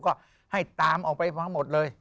ก็ให้ตามออกไปทั้งหมดเลย